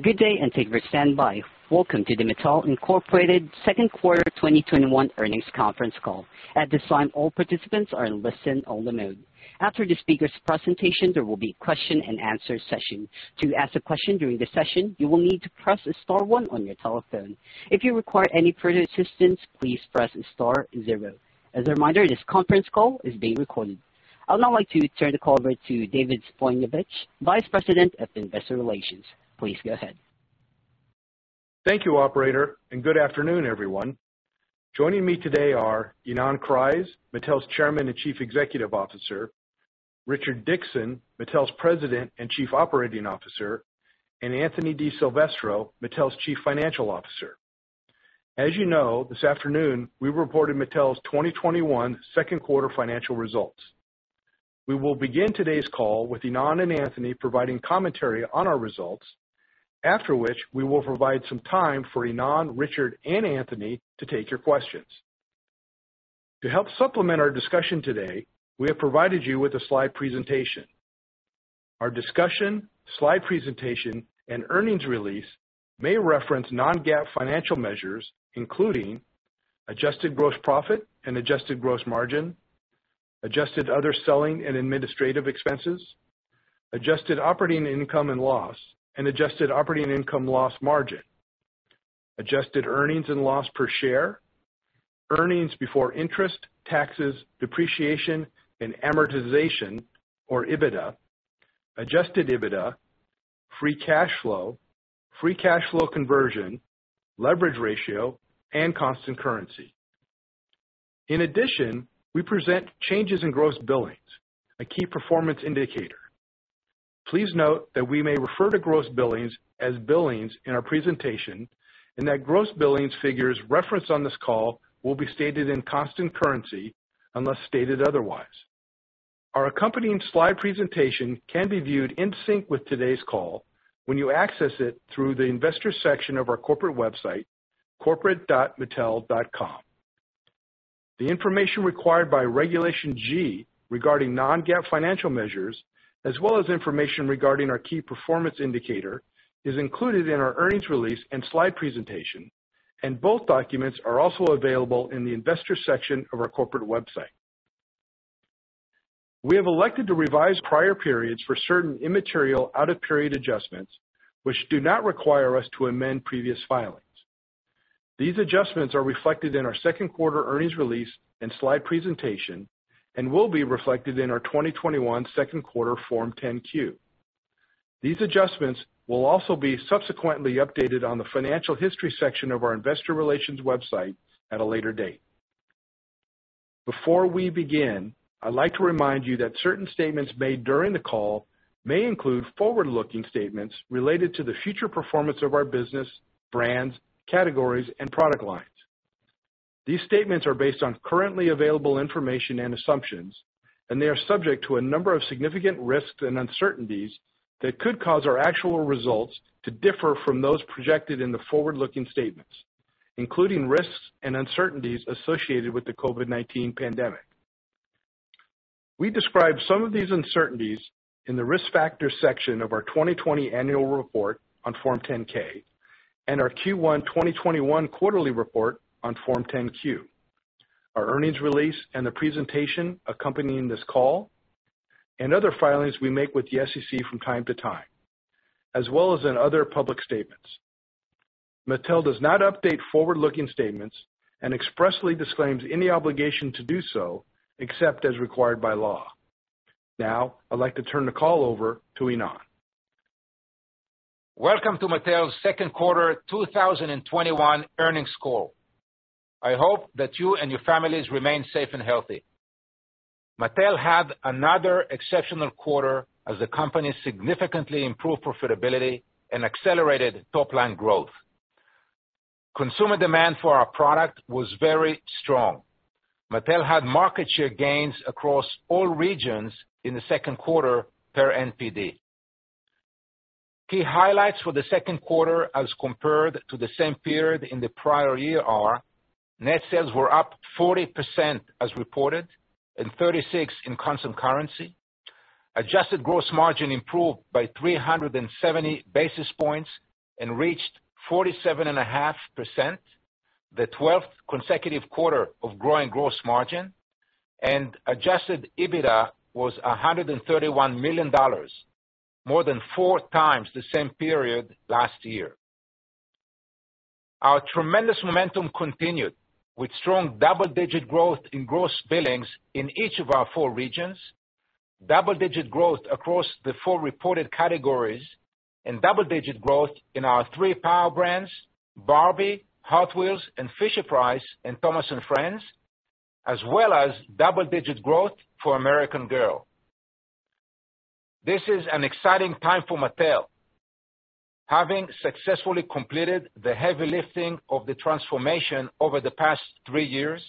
Good day, and thank you for standing by. Welcome to the Mattel, Inc second quarter 2021 earnings conference call. At this time, all participants are in listen-only mode. After the speakers' presentation, there will be a question-and-answer session. To ask a question during the session, you will need to press star one on your telephone. If you require any further assistance, please press star zero. As a reminder, this conference call is being recorded. I would now like to turn the call over to David Zbojniewicz, Vice President of Investor Relations. Please go ahead. Thank you, operator. Good afternoon, everyone. Joining me today are Ynon Kreiz, Mattel's Chairman and Chief Executive Officer, Richard Dickson, Mattel's President and Chief Operating Officer, and Anthony DiSilvestro, Mattel's Chief Financial Officer. As you know, this afternoon, we reported Mattel's 2021 second quarter financial results. We will begin today's call with Ynon and Anthony providing commentary on our results, after which we will provide some time for Ynon, Richard, and Anthony to take your questions. To help supplement our discussion today, we have provided you with a slide presentation. Our discussion, slide presentation, and earnings release may reference non-GAAP financial measures, including adjusted gross profit and adjusted gross margin, adjusted other selling and administrative expenses, adjusted operating income and loss, and adjusted operating income loss margin, adjusted earnings and loss per share, earnings before interest, taxes, depreciation, and amortization, or EBITDA, adjusted EBITDA, free cash flow, free cash flow conversion, leverage ratio, and constant currency. In addition, we present changes in gross billings, a key performance indicator. Please note that we may refer to gross billings as billings in our presentation, and that gross billings figures referenced on this call will be stated in constant currency unless stated otherwise. Our accompanying slide presentation can be viewed in sync with today's call when you access it through the Investor section of our corporate website, corporate.mattel.com. The information required by Regulation G regarding non-GAAP financial measures, as well as information regarding our key performance indicator, is included in our earnings release and slide presentation, and both documents are also available in the Investor section of our corporate website. We have elected to revise prior periods for certain immaterial out-of-period adjustments, which do not require us to amend previous filings. These adjustments are reflected in our second quarter earnings release and slide presentation and will be reflected in our 2021 second quarter Form 10-Q. These adjustments will also be subsequently updated on the financial history section of our Investor Relations website at a later date. Before we begin, I'd like to remind you that certain statements made during the call may include forward-looking statements related to the future performance of our business, brands, categories, and product lines. These statements are based on currently available information and assumptions, and they are subject to a number of significant risks and uncertainties that could cause our actual results to differ from those projected in the forward-looking statements, including risks and uncertainties associated with the COVID-19 pandemic. We describe some of these uncertainties in the Risk Factors section of our 2020 annual report on Form 10-K and our Q1 2021 quarterly report on Form 10-Q, our earnings release and the presentation accompanying this call, and other filings we make with the SEC from time to time, as well as in other public statements. Mattel does not update forward-looking statements and expressly disclaims any obligation to do so except as required by law. Now, I'd like to turn the call over to Ynon. Welcome to Mattel's second quarter 2021 earnings call. I hope that you and your families remain safe and healthy. Mattel had another exceptional quarter as the company significantly improved profitability and accelerated top-line growth. Consumer demand for our product was very strong. Mattel had market share gains across all regions in the second quarter per NPD. Key highlights for the second quarter as compared to the same period in the prior year are net sales were up 40% as reported and 36% in constant currency. Adjusted gross margin improved by 370 basis points and reached 47.5%, the 12th consecutive quarter of growing gross margin, and adjusted EBITDA was $131 million, more than 4x the same period last year. Our tremendous momentum continued with strong double-digit growth in gross billings in each of our four regions, double-digit growth across the four reported categories, and double-digit growth in our three power brands, Barbie, Hot Wheels, and Fisher-Price and Thomas & Friends, as well as double-digit growth for American Girl. This is an exciting time for Mattel. Having successfully completed the heavy lifting of the transformation over the past three years,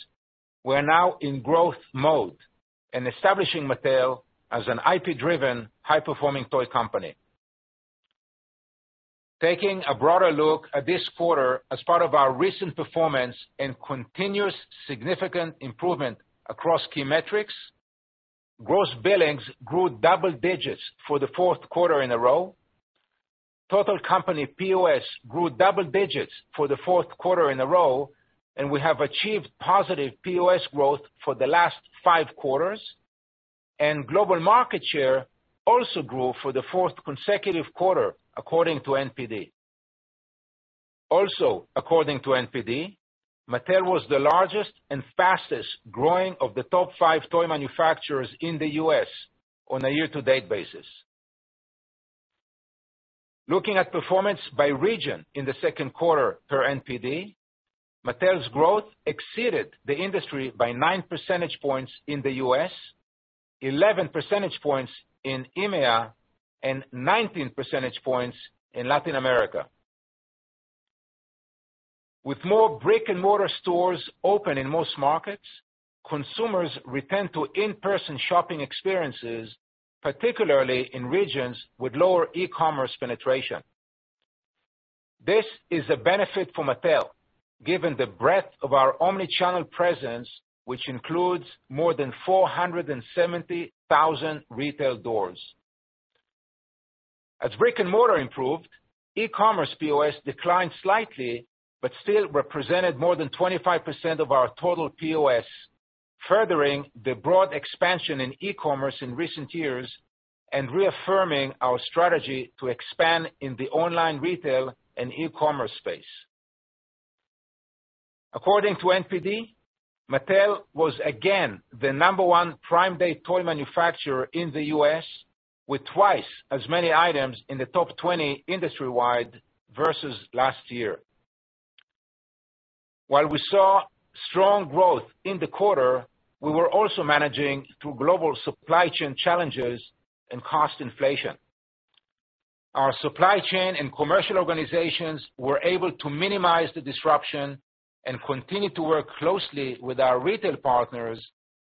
we're now in growth mode and establishing Mattel as an IP-driven, high-performing toy company. Taking a broader look at this quarter as part of our recent performance and continuous significant improvement across key metrics, gross billings grew double digits for the fourth quarter in a row. Total company POS grew double digits for the fourth quarter in a row. We have achieved positive POS growth for the last five quarters, and global market share also grew for the fourth consecutive quarter, according to NPD. Also, according to NPD, Mattel was the largest and fastest-growing of the top five toy manufacturers in the U.S. on a year-to-date basis. Looking at performance by region in the second quarter, per NPD, Mattel's growth exceeded the industry by 9 percentage points in the U.S., 11 percentage points in EMEA, and 19 percentage points in Latin America. With more brick-and-mortar stores open in most markets, consumers return to in-person shopping experiences, particularly in regions with lower e-commerce penetration. This is a benefit for Mattel, given the breadth of our omni-channel presence, which includes more than 470,000 retail doors. As brick-and-mortar improved, e-commerce POS declined slightly but still represented more than 25% of our total POS, furthering the broad expansion in e-commerce in recent years and reaffirming our strategy to expand in the online retail and e-commerce space. According to NPD, Mattel was again the number one Prime Day toy manufacturer in the U.S., with twice as many items in the top 20 industry-wide versus last year. While we saw strong growth in the quarter, we were also managing through global supply chain challenges and cost inflation. Our supply chain and commercial organizations were able to minimize the disruption and continue to work closely with our retail partners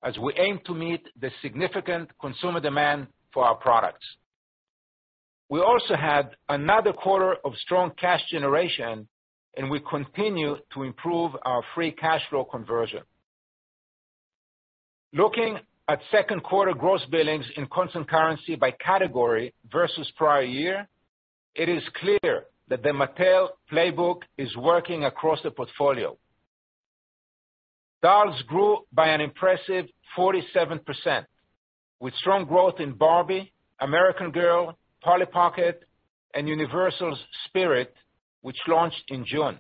as we aim to meet the significant consumer demand for our products. We also had another quarter of strong cash generation, and we continue to improve our free cash flow conversion. Looking at second quarter gross billings in constant currency by category versus prior year, it is clear that the Mattel playbook is working across the portfolio. Dolls grew by an impressive 47%, with strong growth in Barbie, American Girl, Polly Pocket, and Universal's Spirit, which launched in June.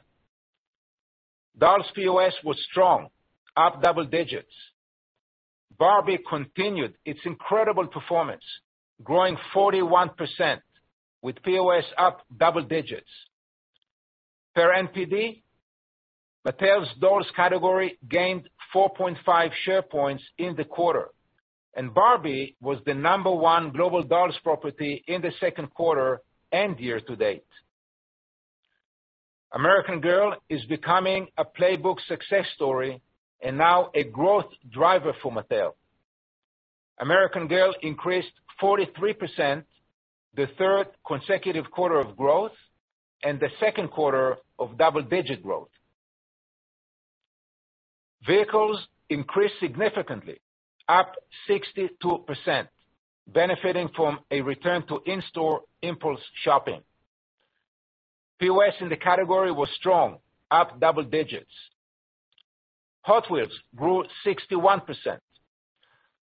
Dolls POS was strong, up double digits. Barbie continued its incredible performance, growing 41%, with POS up double digits. Per NPD, Mattel's dolls category gained 4.5 share points in the quarter, and Barbie was the number one global dolls property in the second quarter and year-to-date. American Girl is becoming a playbook success story and now a growth driver for Mattel. American Girl increased 43%, the third consecutive quarter of growth and the second quarter of double-digit growth. Vehicles increased significantly, up 62%, benefiting from a return to in-store impulse shopping. POS in the category was strong, up double digits. Hot Wheels grew 61%.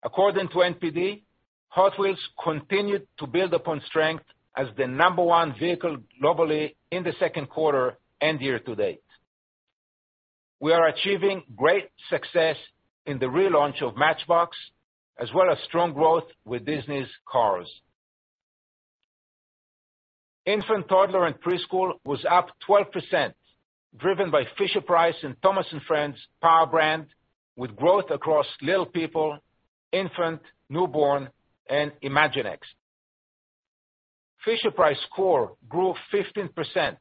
According to NPD, Hot Wheels continued to build upon strength as the number one vehicle globally in the second quarter and year-to-date. We are achieving great success in the relaunch of Matchbox, as well as strong growth with Disney's Cars. Infant, Toddler, and Preschool was up 12%, driven by Fisher-Price and Thomas & Friends power brand, with growth across Little People, infant, newborn, and Imaginext. Fisher-Price Core grew 15%,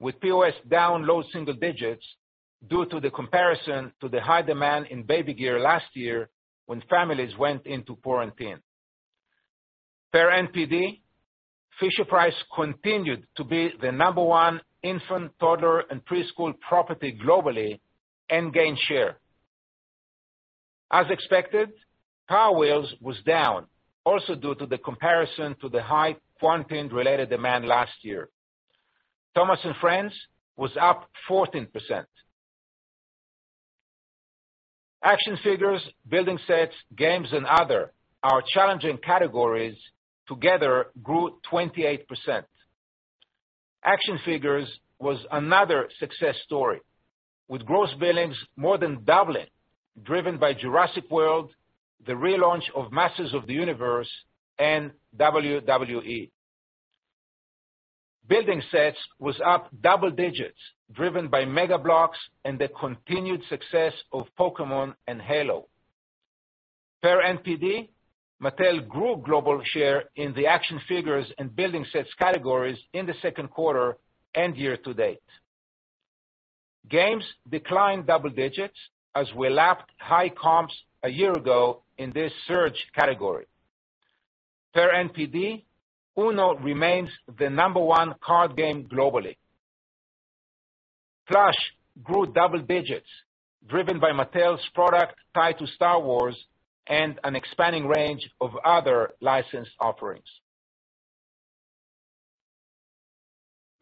with POS down low single digits due to the comparison to the high demand in baby gear last year when families went into quarantine. Per NPD, Fisher-Price continued to be the number one Infant, Toddler, and Preschool property globally and gained share. As expected, Power Wheels was down, also due to the comparison to the high quarantine-related demand last year. Thomas & Friends was up 14%. Action Figures, Building Sets, Games, and Other, our challenging categories, together grew 28%. Action figures was another success story, with gross billings more than doubling, driven by Jurassic World, the relaunch of Masters of the Universe, and WWE. Building Sets was up double digits, driven by MEGA Bloks and the continued success of Pokémon and Halo. Per NPD, Mattel grew global share in the Action Figures and Building Sets categories in the second quarter and year-to-date. Games declined double digits as we lapped high comps a year ago in this surge category. Per NPD, UNO remains the number one card game globally. Plush grew double digits driven by Mattel's product tied to Star Wars and an expanding range of other licensed offerings.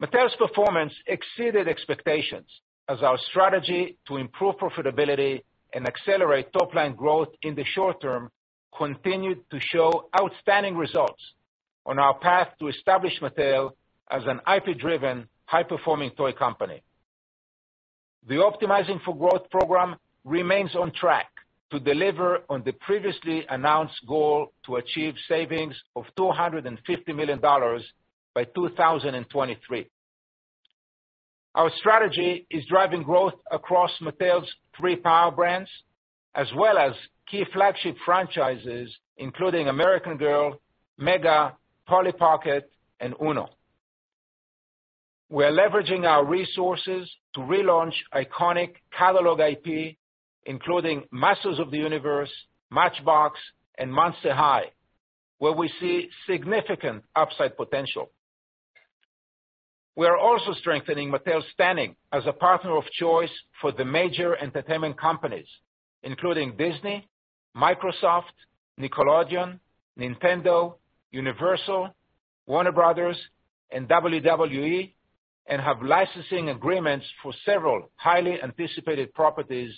Mattel's performance exceeded expectations as our strategy to improve profitability and accelerate top line growth in the short term continued to show outstanding results on our path to establish Mattel as an IP-driven, high-performing toy company. The Optimizing for Growth program remains on track to deliver on the previously announced goal to achieve savings of $250 million by 2023. Our strategy is driving growth across Mattel's three power brands, as well as key flagship franchises including American Girl, MEGA, Polly Pocket and UNO. We're leveraging our resources to relaunch iconic catalog IP, including Masters of the Universe, Matchbox and Monster High, where we see significant upside potential. We are also strengthening Mattel's standing as a partner of choice for the major entertainment companies, including Disney, Microsoft, Nickelodeon, Nintendo, Universal, Warner Bros., and WWE, and have licensing agreements for several highly anticipated properties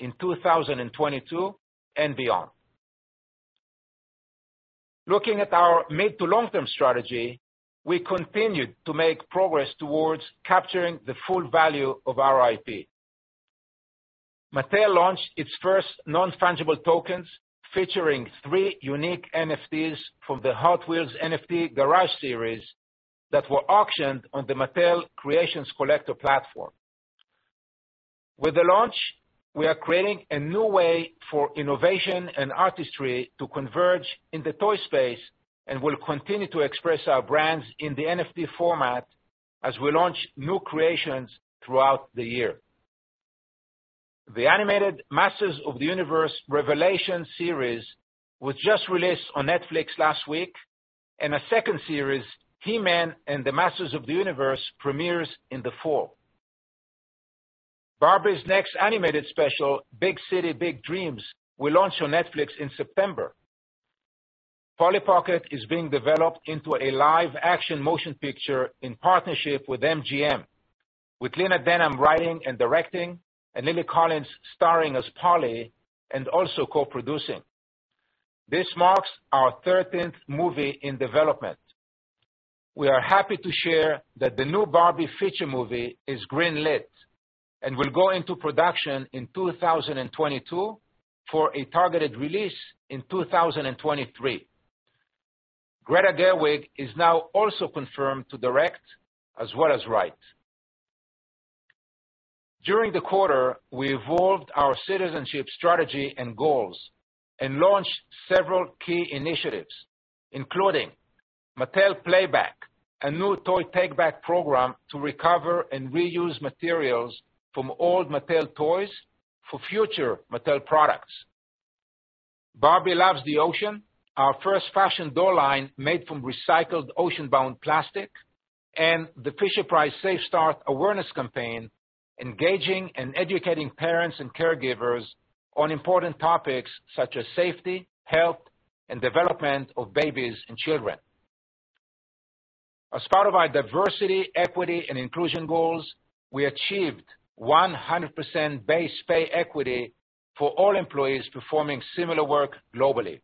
in 2022 and beyond. Looking at our mid to long-term strategy, we continued to make progress towards capturing the full value of our IP. Mattel launched its first non-fungible tokens featuring three unique NFTs from the Hot Wheels NFT Garage series that were auctioned on the Mattel Creations collector platform. With the launch, we are creating a new way for innovation and artistry to converge in the toy space and will continue to express our brands in the NFT format as we launch new creations throughout the year. The animated Masters of the Universe: Revelation series was just released on Netflix last week, and a second series, He-Man and the Masters of the Universe, premieres in the fall. Barbie's next animated special, Big City Big Dreams, will launch on Netflix in September. Polly Pocket is being developed into a live action motion picture in partnership with MGM, with Lena Dunham writing and directing and Lily Collins starring as Polly and also co-producing. This marks our 13th movie in development. We are happy to share that the new Barbie feature movie is green-lit and will go into production in 2022 for a targeted release in 2023. Greta Gerwig is now also confirmed to direct as well as write. During the quarter, we evolved our citizenship strategy and goals and launched several key initiatives, including Mattel PlayBack, a new toy take back program to recover and reuse materials from old Mattel toys for future Mattel products. Barbie Loves the Ocean, our first fashion doll line made from recycled ocean-bound plastic, and the Fisher-Price Safe Start awareness campaign, engaging and educating parents and caregivers on important topics such as safety, health, and development of babies and children. As part of our diversity, equity, and inclusion goals, we achieved 100% base pay equity for all employees performing similar work globally.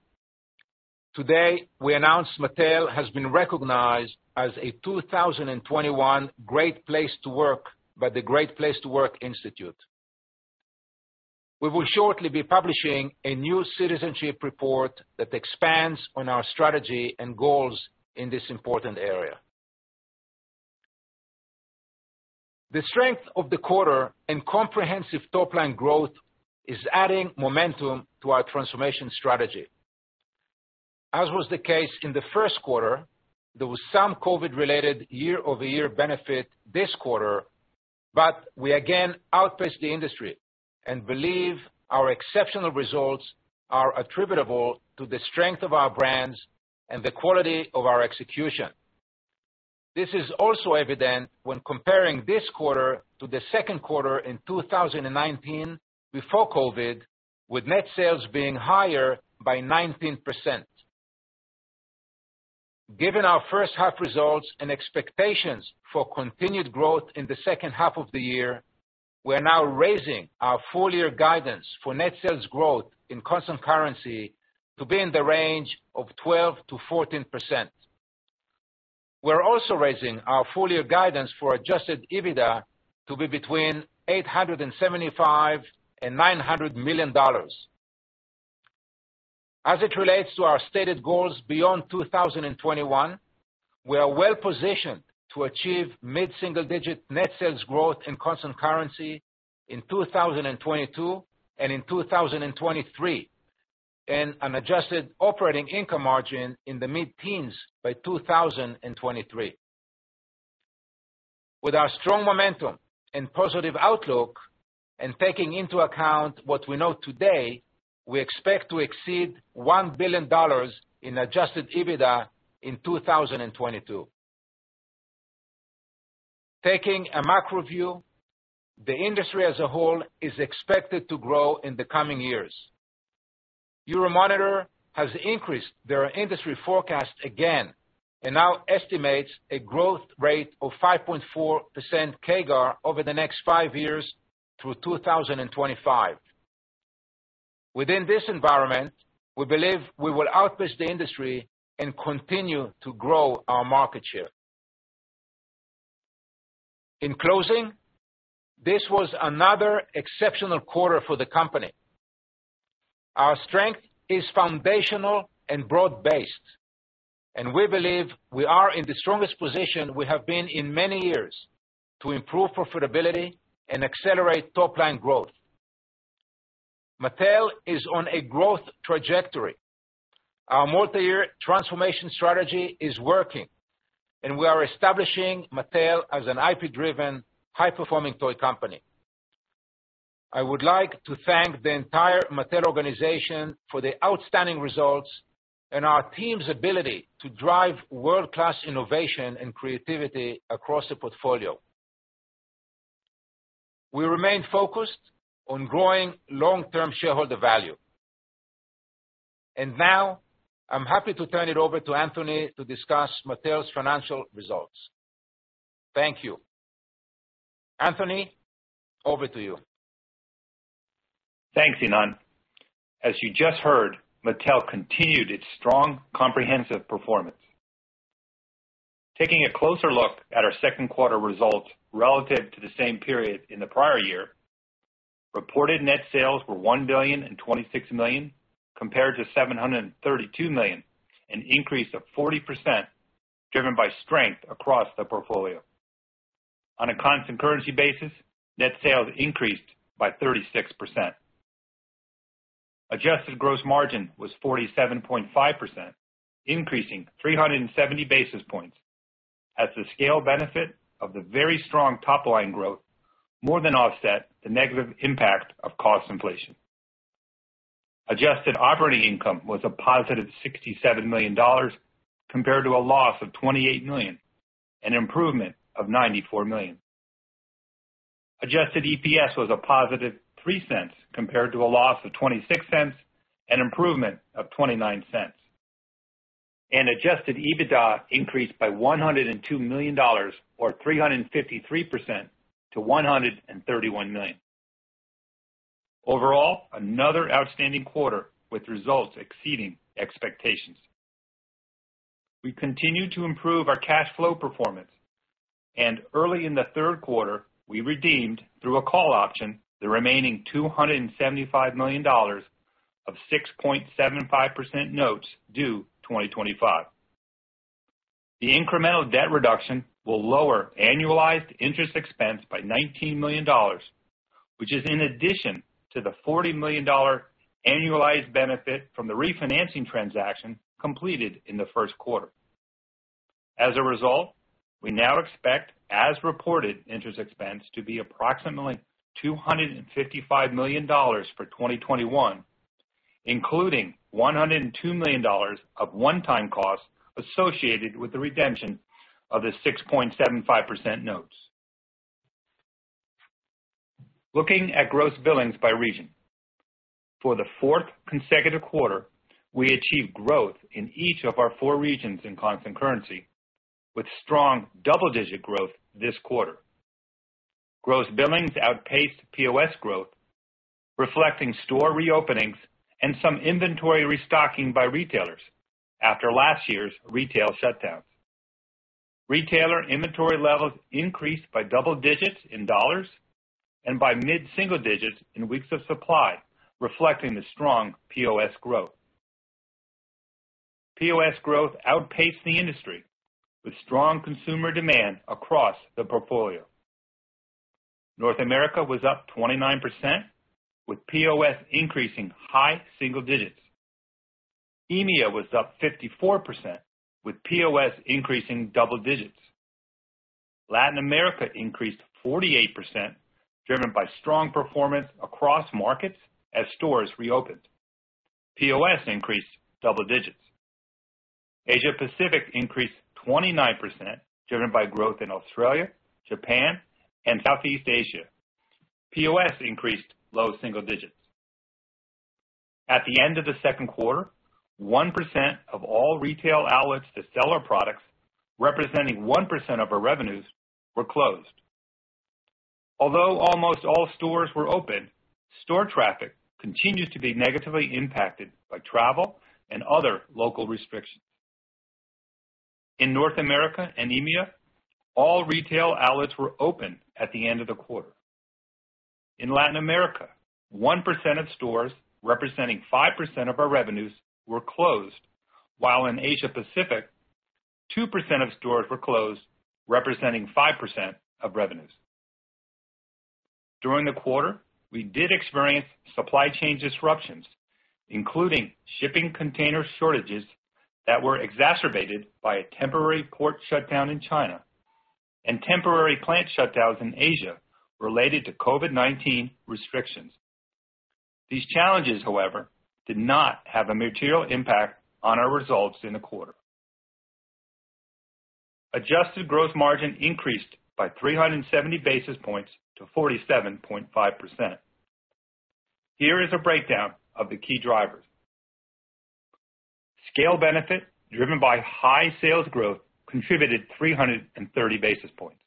Today, we announced Mattel has been recognized as a 2021 Great Place to Work by the Great Place to Work Institute. We will shortly be publishing a new citizenship report that expands on our strategy and goals in this important area. The strength of the quarter and comprehensive top line growth is adding momentum to our transformation strategy. As was the case in the first quarter, there was some COVID-related year-over-year benefit this quarter, but we again outpaced the industry and believe our exceptional results are attributable to the strength of our brands and the quality of our execution. This is also evident when comparing this quarter to the second quarter in 2019 before COVID, with net sales being higher by 19%. Given our first half results and expectations for continued growth in the second half of the year, we're now raising our full year guidance for net sales growth in constant currency to be in the range of 12%-14%. We're also raising our full year guidance for adjusted EBITDA to be between $875 million and $900 million. As it relates to our stated goals beyond 2021, we are well positioned to achieve mid-single-digit net sales growth in constant currency in 2022 and in 2023. An adjusted operating income margin in the mid-teens by 2023. With our strong momentum and positive outlook and taking into account what we know today, we expect to exceed $1 billion in adjusted EBITDA in 2022. Taking a macro view, the industry as a whole is expected to grow in the coming years. Euromonitor has increased their industry forecast again and now estimates a growth rate of 5.4% CAGR over the next five years through 2025. Within this environment, we believe we will outpace the industry and continue to grow our market share. In closing, this was another exceptional quarter for the company. Our strength is foundational and broad-based, and we believe we are in the strongest position we have been in many years to improve profitability and accelerate top-line growth. Mattel is on a growth trajectory. Our multi-year transformation strategy is working, and we are establishing Mattel as an IP-driven, high-performing toy company. I would like to thank the entire Mattel organization for the outstanding results and our team's ability to drive world-class innovation and creativity across the portfolio. We remain focused on growing long-term shareholder value. Now, I'm happy to turn it over to Anthony to discuss Mattel's financial results. Thank you. Anthony, over to you. Thanks, Ynon. As you just heard, Mattel continued its strong, comprehensive performance. Taking a closer look at our second quarter results relative to the same period in the prior year, reported net sales were $1.026 billion, compared to $732 million, an increase of 40%, driven by strength across the portfolio. On a constant currency basis, net sales increased by 36%. Adjusted gross margin was 47.5%, increasing 370 basis points as the scale benefit of the very strong top-line growth more than offset the negative impact of cost inflation. Adjusted operating income was a +$67 million, compared to a loss of $28 million, an improvement of $94 million. Adjusted EPS was a +$0.03, compared to a loss of $0.26, an improvement of $0.29. Adjusted EBITDA increased by $102 million, or 353%, to $131 million. Overall, another outstanding quarter with results exceeding expectations. We continue to improve our cash flow performance, and early in the third quarter, we redeemed through a call option the remaining $275 million of 6.75% notes due 2025. The incremental debt reduction will lower annualized interest expense by $19 million, which is in addition to the $40 million annualized benefit from the refinancing transaction completed in the first quarter. As a result, we now expect, as reported, interest expense to be approximately $255 million for 2021, including $102 million of one-time costs associated with the redemption of the 6.75% notes. Looking at gross billings by region. For the fourth consecutive quarter, we achieved growth in each of our four regions in constant currency, with strong double-digit growth this quarter. Gross billings outpaced POS growth, reflecting store reopenings and some inventory restocking by retailers after last year's retail shutdowns. Retailer inventory levels increased by double digits in dollars and by mid-single-digits in weeks of supply, reflecting the strong POS growth. POS growth outpaced the industry, with strong consumer demand across the portfolio. North America was up 29%, with POS increasing high single digits. EMEA was up 54%, with POS increasing double digits. Latin America increased 48%, driven by strong performance across markets as stores reopened. POS increased double digits. Asia Pacific increased 29%, driven by growth in Australia, Japan, and Southeast Asia. POS increased low single digits. At the end of the second quarter, 1% of all retail outlets that sell our products, representing 1% of our revenues, were closed. Although almost all stores were open, store traffic continues to be negatively impacted by travel and other local restrictions. In North America and EMEA, all retail outlets were open at the end of the quarter. In Latin America, 1% of stores, representing 5% of our revenues, were closed, while in Asia Pacific, 2% of stores were closed, representing 5% of revenues. During the quarter, we did experience supply chain disruptions, including shipping container shortages that were exacerbated by a temporary port shutdown in China and temporary plant shutdowns in Asia related to COVID-19 restrictions. These challenges, however, did not have a material impact on our results in the quarter. Adjusted gross margin increased by 370 basis points to 47.5%. Here is a breakdown of the key drivers. Scale benefit driven by high sales growth contributed 330 basis points.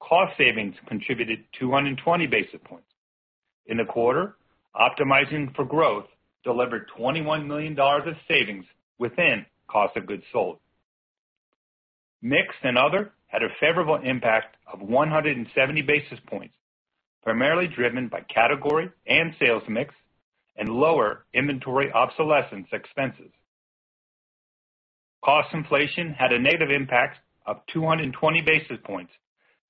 Cost savings contributed 220 basis points. In the quarter, Optimizing for Growth delivered $21 million of savings within cost of goods sold. Mix and Other had a favorable impact of 170 basis points, primarily driven by category and sales mix and lower inventory obsolescence expenses. Cost inflation had a negative impact of 220 basis points,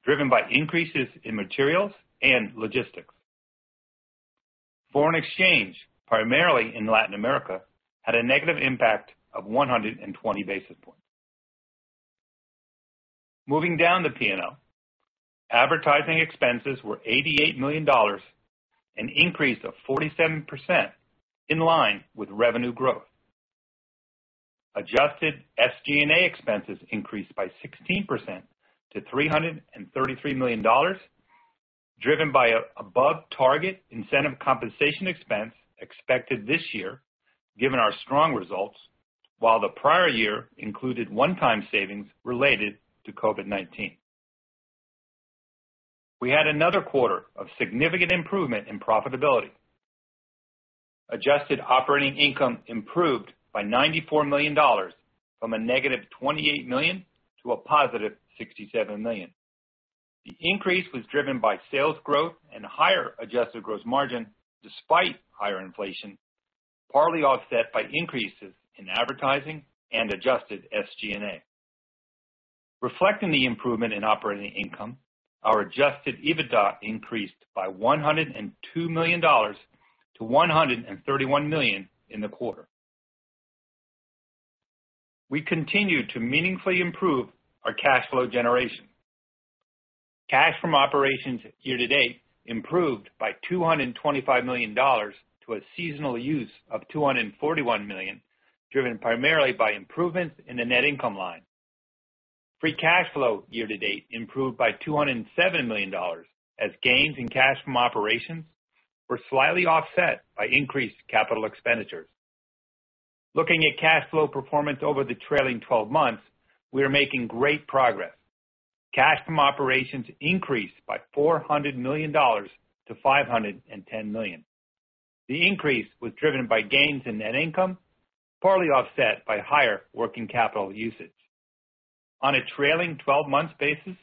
driven by increases in materials and logistics. Foreign exchange, primarily in Latin America, had a negative impact of 120 basis points. Moving down the P&L, advertising expenses were $88 million, an increase of 47% in line with revenue growth. Adjusted SG&A expenses increased by 16% to $333 million, driven by above-target incentive compensation expense expected this year given our strong results, while the prior year included one-time savings related to COVID-19. We had another quarter of significant improvement in profitability. Adjusted operating income improved by $94 million from -$28 million to +$67 million. The increase was driven by sales growth and higher adjusted gross margin despite higher inflation, partly offset by increases in advertising and adjusted SG&A. Reflecting the improvement in operating income, our adjusted EBITDA increased by $102 million to $131 million in the quarter. We continued to meaningfully improve our cash flow generation. Cash from operations year-to-date improved by $225 million to a seasonal use of $241 million, driven primarily by improvements in the net income line. Free cash flow year-to-date improved by $207 million, as gains in cash from operations were slightly offset by increased capital expenditures. Looking at cash flow performance over the trailing 12 months, we are making great progress. Cash from operations increased by $400 million to $510 million. The increase was driven by gains in net income, partly offset by higher working capital usage. On a trailing 12-months basis,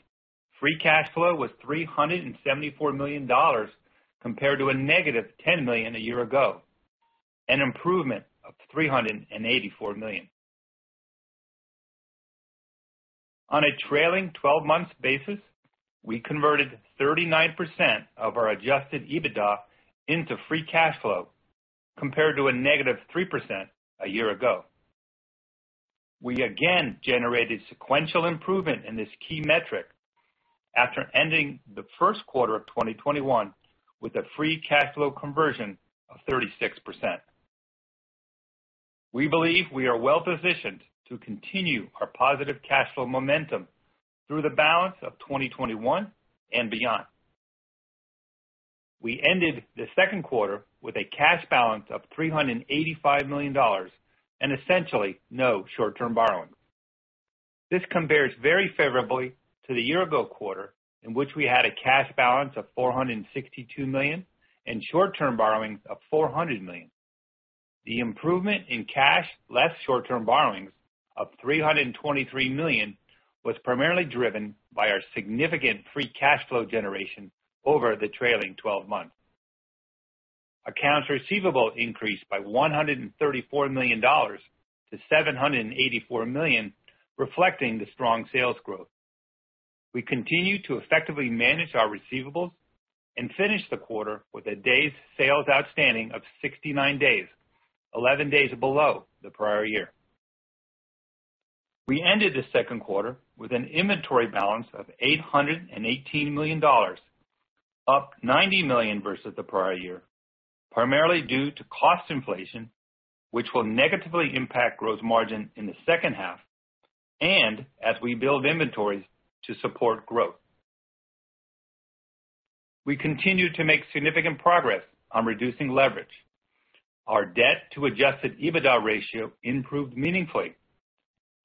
free cash flow was $374 million compared to a -$10 million a year ago, an improvement of $384 million. On a trailing 12-months basis, we converted 39% of our adjusted EBITDA into free cash flow, compared to a -3% a year ago. We again generated sequential improvement in this key metric after ending the first quarter of 2021 with a free cash flow conversion of 36%. We believe we are well-positioned to continue our positive cash flow momentum through the balance of 2021 and beyond. We ended the second quarter with a cash balance of $385 million and essentially no short-term borrowing. This compares very favorably to the year-ago quarter in which we had a cash balance of $462 million and short-term borrowings of $400 million. The improvement in cash less short-term borrowings of $323 million was primarily driven by our significant free cash flow generation over the trailing 12 months. Accounts receivable increased by $134 million to $784 million, reflecting the strong sales growth. We continue to effectively manage our receivables and finish the quarter with a day's sales outstanding of 69 days, 11 days below the prior year. We ended the second quarter with an inventory balance of $818 million, up $90 million versus the prior year, primarily due to cost inflation, which will negatively impact gross margin in the second half and as we build inventories to support growth. We continue to make significant progress on reducing leverage. Our debt to adjusted EBITDA ratio improved meaningfully,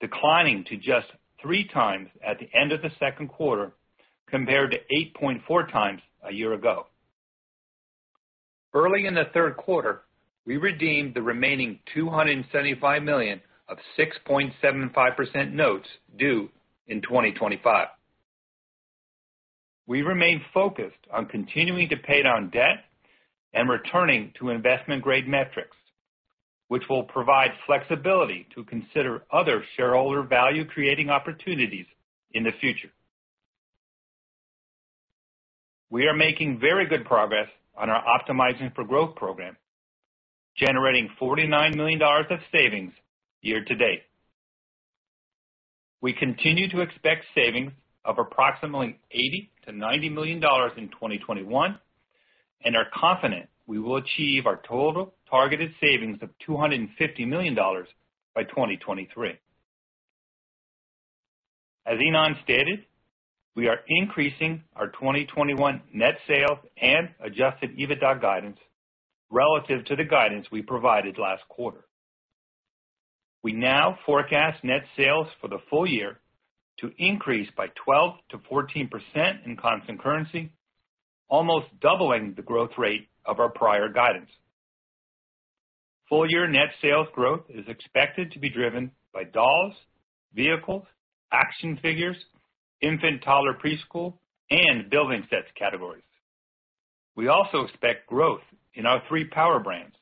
declining to just 3x at the end of the second quarter compared to 8.4x a year ago. Early in the third quarter, we redeemed the remaining $275 million of 6.75% notes due in 2025. We remain focused on continuing to pay down debt and returning to investment-grade metrics, which will provide flexibility to consider other shareholder value creating opportunities in the future. We are making very good progress on our Optimizing for Growth program, generating $49 million of savings year-to-date. We continue to expect savings of approximately $80 million-$90 million in 2021, and are confident we will achieve our total targeted savings of $250 million by 2023. As Ynon stated, we are increasing our 2021 net sales and adjusted EBITDA guidance relative to the guidance we provided last quarter. We now forecast net sales for the full year to increase by 12%-14% in constant currency, almost doubling the growth rate of our prior guidance. Full year net sales growth is expected to be driven by Dolls, Vehicles, Action Figures, Infant, Toddler Preschool, and Building Sets categories. We also expect growth in our three power brands,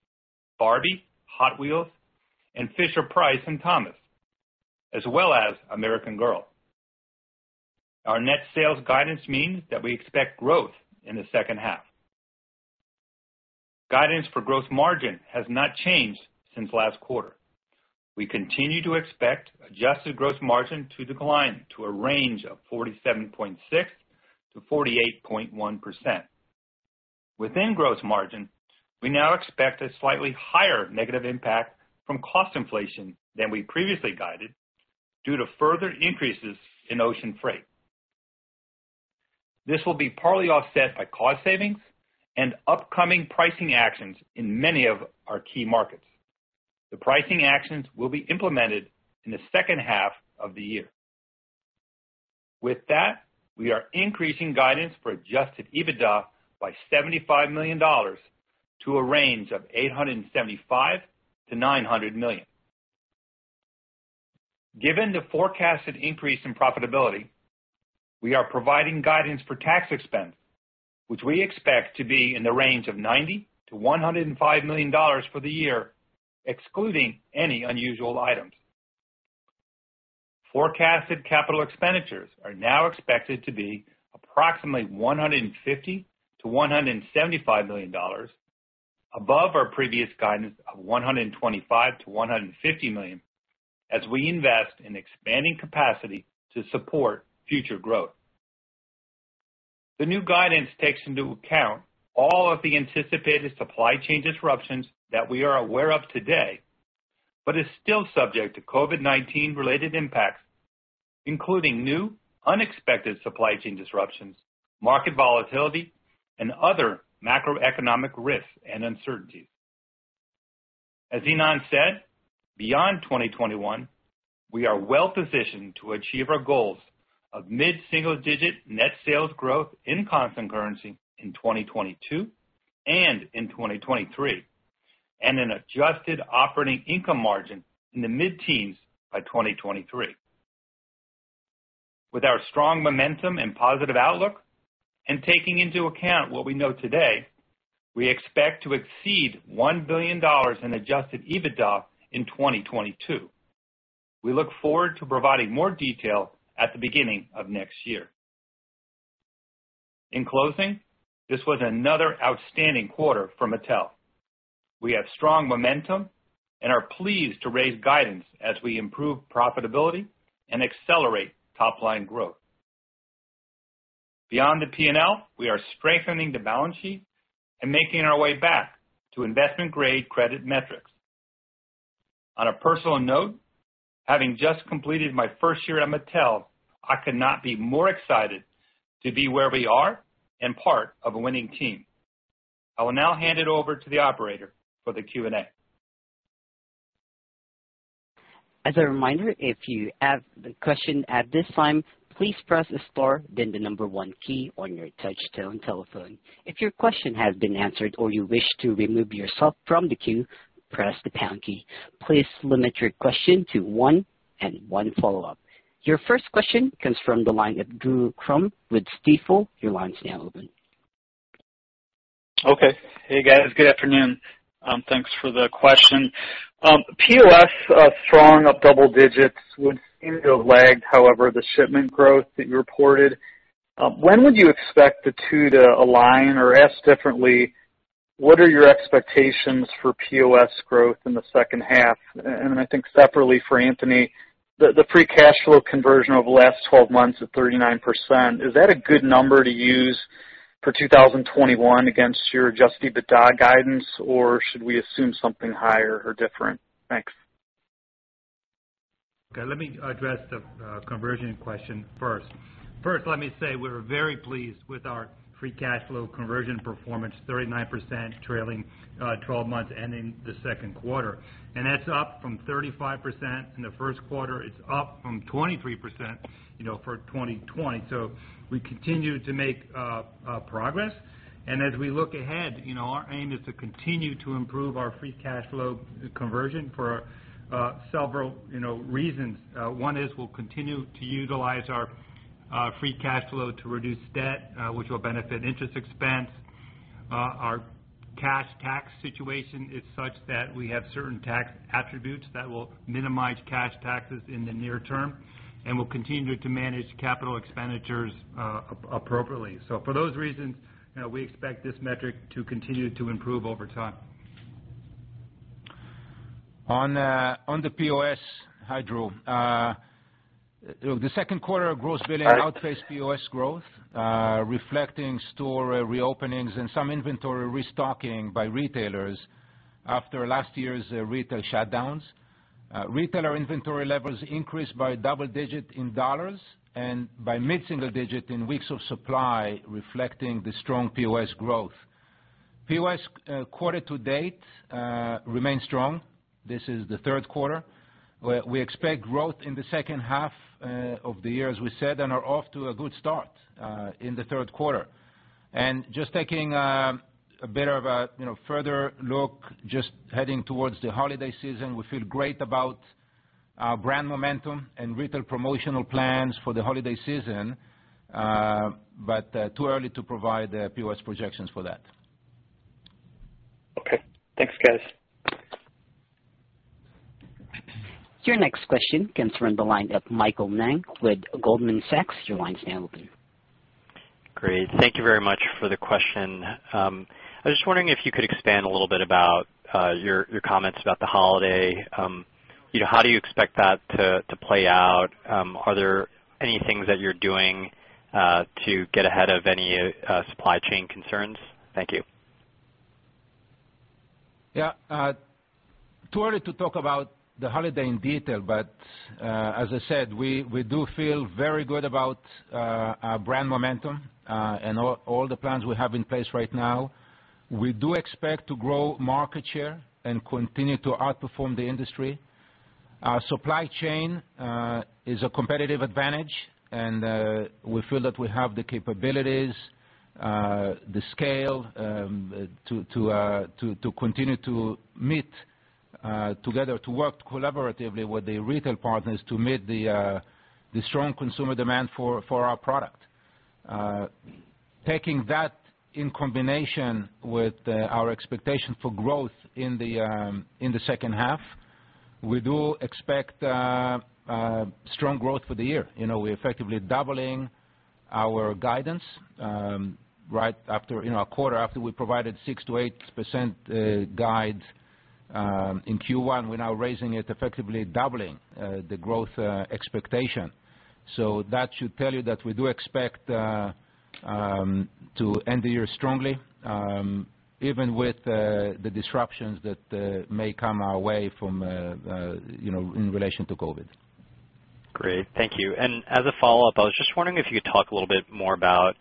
Barbie, Hot Wheels, and Fisher-Price and Thomas, as well as American Girl. Our net sales guidance means that we expect growth in the second half. Guidance for gross margin has not changed since last quarter. We continue to expect adjusted gross margin to decline to a range of 47.6%-48.1%. Within gross margin, we now expect a slightly higher negative impact from cost inflation than we previously guided due to further increases in ocean freight. This will be partly offset by cost savings and upcoming pricing actions in many of our key markets. The pricing actions will be implemented in the second half of the year. With that, we are increasing guidance for adjusted EBITDA by $75 million to a range of $875 million-$900 million. Given the forecasted increase in profitability, we are providing guidance for tax expense, which we expect to be in the range of $90 million-$105 million for the year, excluding any unusual items. Forecasted capital expenditures are now expected to be approximately $150 million-$175 million, above our previous guidance of $125 million-$150 million, as we invest in expanding capacity to support future growth. The new guidance takes into account all of the anticipated supply chain disruptions that we are aware of today, but is still subject to COVID-19 related impacts, including new unexpected supply chain disruptions, market volatility, and other macroeconomic risks and uncertainties. As Ynon said, beyond 2021, we are well-positioned to achieve our goals of mid-single-digit net sales growth in constant currency in 2022 and in 2023, and an adjusted operating income margin in the mid-teens by 2023. With our strong momentum and positive outlook and taking into account what we know today, we expect to exceed $1 billion in adjusted EBITDA in 2022. We look forward to providing more detail at the beginning of next year. In closing, this was another outstanding quarter for Mattel. We have strong momentum and are pleased to raise guidance as we improve profitability and accelerate top-line growth. Beyond the P&L, we are strengthening the balance sheet and making our way back to investment-grade credit metrics. On a personal note, having just completed my first year at Mattel, I could not be more excited to be where we are and part of a winning team. I will now hand it over to the operator for the Q&A. As a reminder, if you have a question at this time, please press the star then the number one key on your touchtone telephone. If your question has been answered or you wish to remove yourself from the queue, press the pound key. Please limit your question to one and one follow-up. Your first question comes from the line of Drew Crum with Stifel. Your line's now open. Okay. Hey, guys. Good afternoon. Thanks for the question. POS strong up double digits would seem to have lagged, however, the shipment growth that you reported. When would you expect the two to align? Asked differently, what are your expectations for POS growth in the second half? Separately for Anthony, the free cash flow conversion over the last 12 months at 39%, is that a good number to use for 2021 against your adjusted EBITDA guidance, or should we assume something higher or different? Thanks. Okay, let me address the conversion question first. First, let me say we're very pleased with our free cash flow conversion performance, 39% trailing 12 months ending the second quarter, and that's up from 35% in the first quarter. It's up from 23% for 2020. We continue to make progress, and as we look ahead, our aim is to continue to improve our free cash flow conversion for several reasons. One is we'll continue to utilize our free cash flow to reduce debt, which will benefit interest expense. Our cash tax situation is such that we have certain tax attributes that will minimize cash taxes in the near term, and we'll continue to manage capital expenditures appropriately. For those reasons, we expect this metric to continue to improve over time. On the POS, Hi Drew, the second quarter gross billing outpaced POS growth, reflecting store reopenings and some inventory restocking by retailers after last year's retail shutdowns. Retailer inventory levels increased by double digit in dollars and by mid-single-digit in weeks of supply, reflecting the strong POS growth. POS quarter to date remains strong. This is the third quarter. We expect growth in the second half of the year, as we said, and are off to a good start in the third quarter. Just taking a bit of a further look, just heading towards the holiday season, we feel great about our brand momentum and retail promotional plans for the holiday season. Too early to provide POS projections for that. Okay. Thanks, guys. Your next question comes from the line of Michael Ng with Goldman Sachs. Your line's now open. Great. Thank you very much for the question. I was just wondering if you could expand a little bit about your comments about the holiday. How do you expect that to play out? Are there any things that you're doing to get ahead of any supply chain concerns? Thank you. Too early to talk about the holiday in detail, but as I said, we do feel very good about our brand momentum and all the plans we have in place right now. We do expect to grow market share and continue to outperform the industry. Our supply chain is a competitive advantage, and we feel that we have the capabilities, the scale to continue to meet together, to work collaboratively with the retail partners to meet the strong consumer demand for our product. Taking that in combination with our expectation for growth in the second half, we do expect strong growth for the year. We're effectively doubling our guidance right after a quarter after we provided 6%-8% guide in Q1. We're now raising it, effectively doubling the growth expectation. That should tell you that we do expect to end the year strongly, even with the disruptions that may come our way in relation to COVID. Great. Thank you. As a follow-up, I was just wondering if you could talk a little bit more about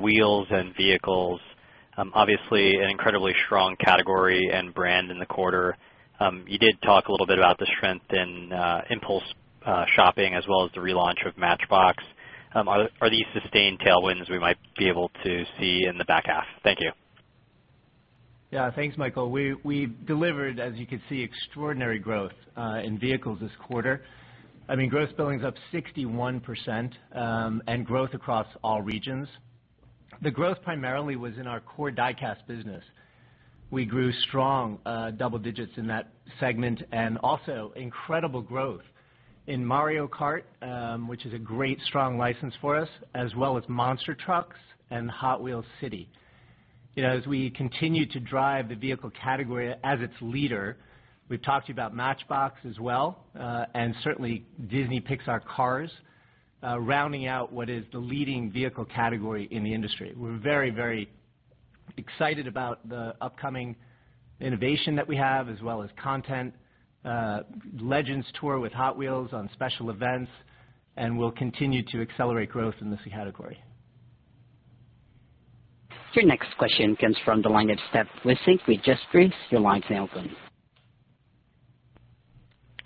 Wheels and Vehicles. Obviously, an incredibly strong category and brand in the quarter. You did talk a little bit about the strength in impulse shopping as well as the relaunch of Matchbox. Are these sustained tailwinds we might be able to see in the back half? Thank you. Yeah. Thanks, Michael. We delivered, as you can see, extraordinary growth in Vehicles this quarter. I mean, gross billing is up 61%. Growth across all regions. The growth primarily was in our core diecast business. We grew strong double digits in that segment. Also incredible growth in Mario Kart, which is a great strong license for us, as well as Monster Trucks and Hot Wheels City. As we continue to drive the Vehicle category as its leader, we've talked to you about Matchbox as well. Certainly Disney Pixar Cars rounding out what is the leading vehicle category in the industry. We're very excited about the upcoming innovation that we have as well as content, Legends Tour with Hot Wheels on special events. We'll continue to accelerate growth in this category. Your next question comes from the line of Steph Wissink with Jefferies. Your line's now open.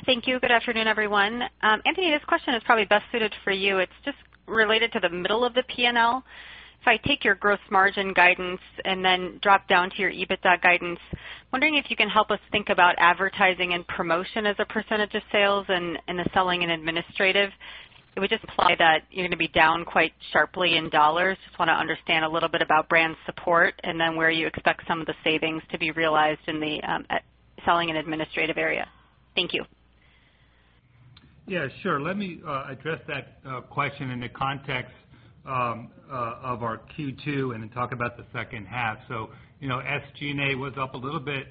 Thank you. Good afternoon, everyone. Anthony, this question is probably best suited for you. It is just related to the middle of the P&L. If I take your gross margin guidance and then drop down to your EBITDA guidance, wondering if you can help us think about advertising and promotion as a percentage of sales and the selling and administrative. It would just imply that you are going to be down quite sharply in dollars. I just want to understand a little bit about brand support, and then where you expect some of the savings to be realized in the selling and administrative area? Thank you. Yeah, sure. Let me address that question in the context of our Q2 and then talk about the second half. SG&A was up a little bit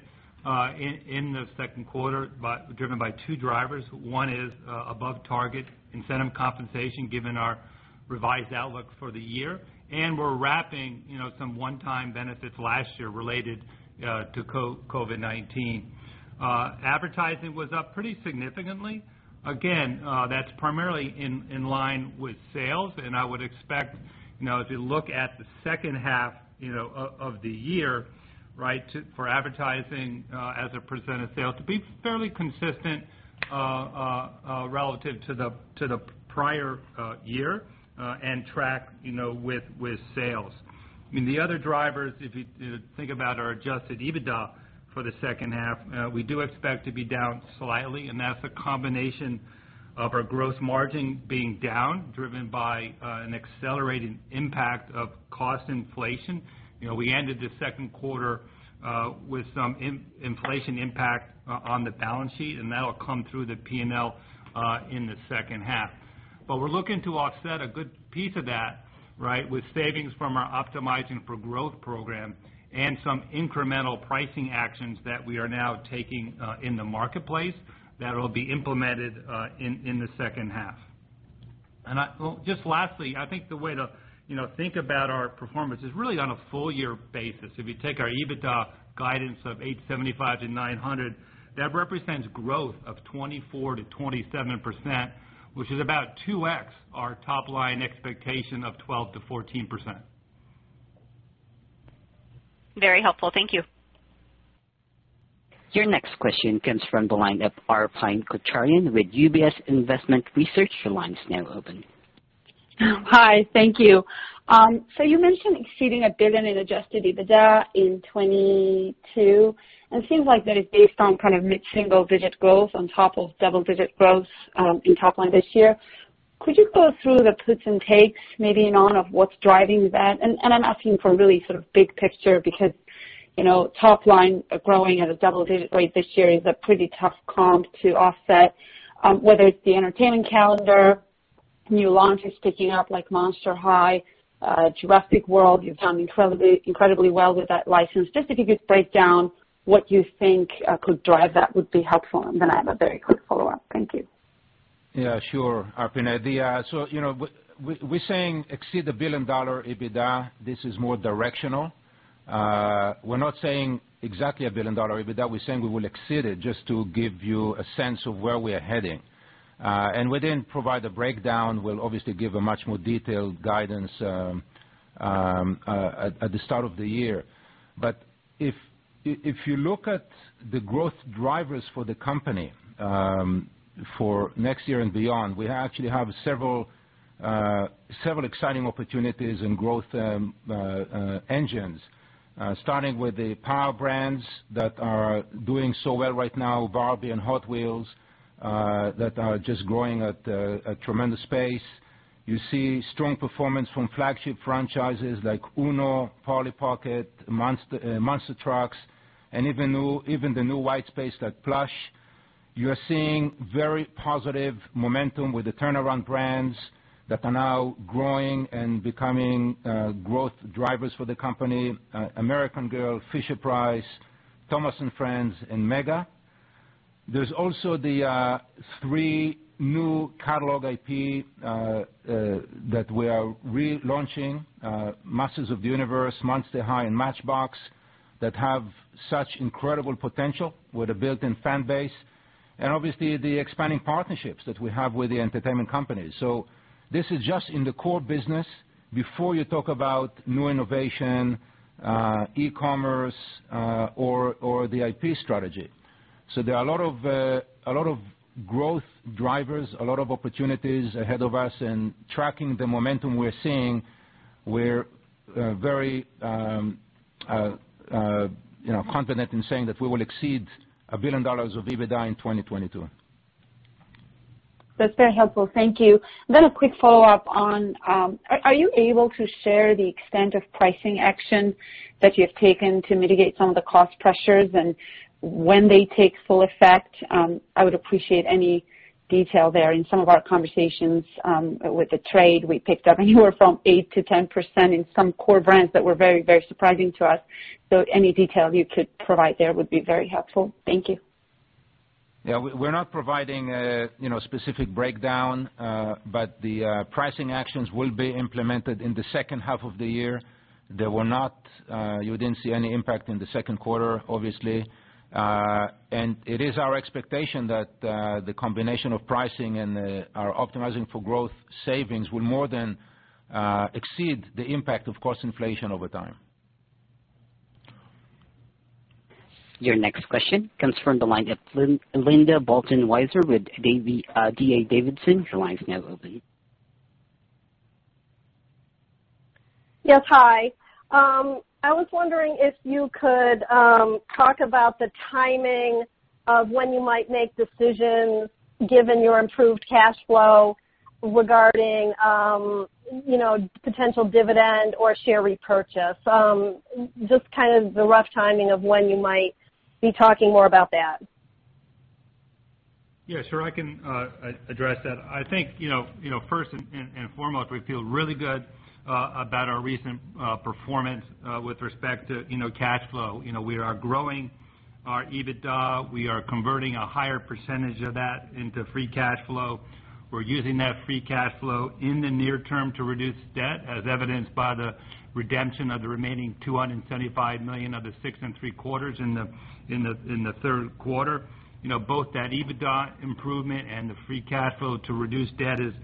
in the second quarter, driven by two drivers. One is above target incentive compensation, given our revised outlook for the year, and we're wrapping some one-time benefits last year related to COVID-19. Advertising was up pretty significantly. Again, that's primarily in line with sales, and I would expect, if you look at the second half of the year for advertising as a percent of sales to be fairly consistent relative to the prior year and track with sales. The other drivers, if you think about our adjusted EBITDA for the second half, we do expect to be down slightly, and that's a combination of our gross margin being down, driven by an accelerated impact of cost inflation. We ended the second quarter with some inflation impact on the balance sheet, that'll come through the P&L in the second half. We're looking to offset a good piece of that with savings from our Optimizing for Growth program and some incremental pricing actions that we are now taking in the marketplace that will be implemented in the second half. Just lastly, I think the way to think about our performance is really on a full year basis. If you take our EBITDA guidance of $875 million-$900 million, that represents growth of 24%-27%, which is about 2x our top-line expectation of 12%-14%. Very helpful. Thank you. Your next question comes from the line of Arpine Kocharyan with UBS Investment Research. Your line is now open. Thank you. You mentioned exceeding $1 billion in adjusted EBITDA in 2022, it seems like that is based on mid-single-digit growth on top of double-digit growth in top-line this year. Could you go through the puts and takes, maybe, on what's driving that? I'm asking for really big picture, because top-line growing at a double-digit rate this year is a pretty tough comp to offset. Whether it's the entertainment calendar, new launches picking up, like Monster High, Jurassic World, you've done incredibly well with that license. Just if you could break down what you think could drive that would be helpful. I have a very quick follow-up. Thank you. Yeah, sure, Arpine. We're saying exceed a billion-dollar EBITDA. This is more directional. We're not saying exactly a billion-dollar EBITDA. We're saying we will exceed it, just to give you a sense of where we are heading. We didn't provide a breakdown. We'll obviously give a much more detailed guidance at the start of the year. If you look at the growth drivers for the company for next year and beyond, we actually have several exciting opportunities and growth engines, starting with the power brands that are doing so well right now, Barbie and Hot Wheels, that are just growing at a tremendous pace. You see strong performance from flagship franchises like UNO, Polly Pocket, Monster Trucks, and even the new white space like Plush. You are seeing very positive momentum with the turnaround brands that are now growing and becoming growth drivers for the company, American Girl, Fisher-Price, Thomas & Friends, and MEGA. There's also the three new catalog IP that we are relaunching, Masters of the Universe, Monster High, and Matchbox, that have such incredible potential with a built-in fan base, and obviously the expanding partnerships that we have with the entertainment companies. This is just in the core business, before you talk about new innovation, e-commerce, or the IP strategy. There are a lot of growth drivers, a lot of opportunities ahead of us, and tracking the momentum we're seeing, we're very confident in saying that we will exceed $1 billion of EBITDA in 2022. That's very helpful. Thank you. And then a quick follow-up on- are you able to share the extent of pricing action that you have taken to mitigate some of the cost pressures and when they take full effect? I would appreciate any detail there. In some of our conversations with the trade, we picked up anywhere from 8%-10% in some core brands that were very surprising to us. Any detail you could provide there would be very helpful. Thank you. We're not providing a specific breakdown, but the pricing actions will be implemented in the second half of the year. You didn't see any impact in the second quarter, obviously. It is our expectation that the combination of pricing and our Optimizing for Growth savings will more than exceed the impact of cost inflation over time. Your next question comes from the line of Linda Bolton Weiser with D.A. Davidson. Your line is now open. Yes, hi. I was wondering if you could talk about the timing of when you might make decisions, given your improved cash flow regarding potential dividend or share repurchase. Just the rough timing of when you might be talking more about that. Yeah, sure. I can address that. I think first and foremost, we feel really good about our recent performance with respect to cash flow. We are growing our EBITDA, we are converting a higher percentage of that into free cash flow. We're using that free cash flow in the near term to reduce debt, as evidenced by the redemption of the remaining $275 million of the 6.75% in the third quarter. Both that EBITDA improvement and the free cash flow to reduce debt is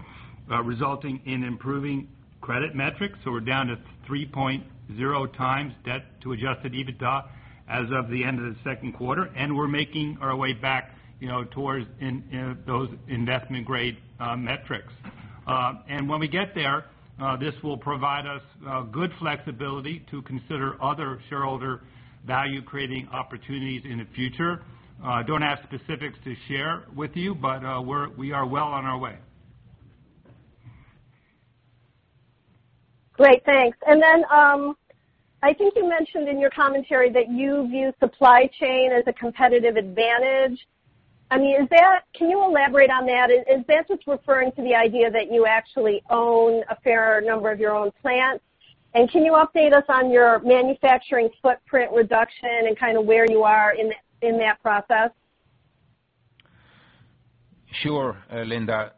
resulting in improving credit metrics. We're down to 3.0x debt to adjusted EBITDA as of the end of the second quarter, and we're making our way back towards those investment-grade metrics. When we get there, this will provide us good flexibility to consider other shareholder value-creating opportunities in the future. Don't have specifics to share with you, but we are well on our way. Great, thanks. I think you mentioned in your commentary that you view supply chain as a competitive advantage. Can you elaborate on that? Is that just referring to the idea that you actually own a fair number of your own plants? Can you update us on your manufacturing footprint reduction and kind of where you are in that process? Sure, Linda.